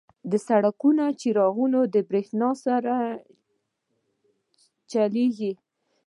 • د سړکونو څراغونه د برېښنا سره چلیږي.